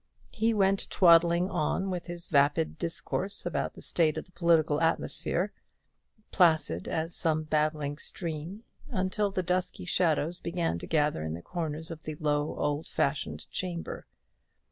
He went twaddling on with his vapid discourse upon the state of the political atmosphere, placid as some babbling stream, until the dusky shadows began to gather in the corners of the low old fashioned chamber.